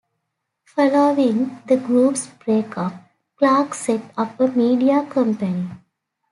Following the group's break-up, Clark set up a media company.